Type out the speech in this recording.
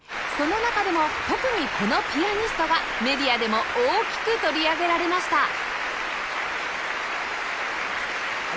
その中でも特にこのピアニストがメディアでも大きく取り上げられました